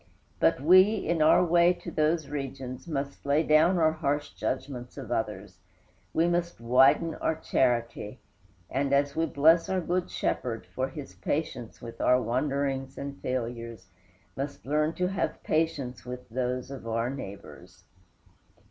But we, in our way to those regions, must lay down our harsh judgments of others; we must widen our charity; and, as we bless our good Shepherd for his patience with our wanderings and failures, must learn to have patience with those of our neighbors.